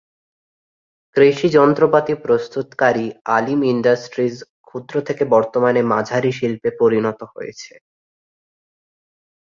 কৃষি যন্ত্রপাতি প্রস্তুতকারী আলীম ইন্ডাস্ট্রিজ ক্ষুদ্র থেকে বর্তমানে মাঝারি শিল্পে পরিণত হয়েছে।